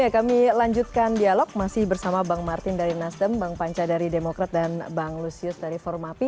kami lanjutkan dialog masih bersama bang martin dari nasdem bang panca dari demokrat dan bang lusius dari forum api